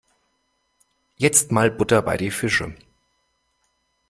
Jetzt mal Butter bei die Fische.